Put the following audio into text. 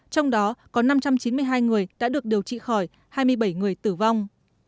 trong đó có năm trăm chín mươi hai người đã được điều trị khỏi hai mươi bảy người tử vong